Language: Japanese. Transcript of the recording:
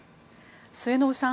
末延さん